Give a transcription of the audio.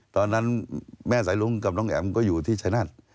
ตอนนั้นแม่สายรุ้งกับน้องแอ๋มก็อยู่ที่ชายนาฏ